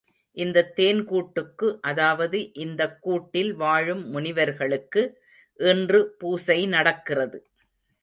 இந்தத் தேன் கூட்டுக்கு, அதாவது இந்தக் கூட்டில் வாழும் முனிவர்களுக்கு, இன்று பூசை நடக்கிறது.